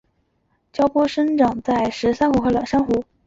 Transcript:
礁坡上生长着石珊瑚和软珊瑚。